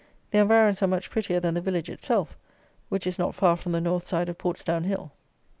The environs are much prettier than the village itself, which is not far from the North side of Portsdown Hill.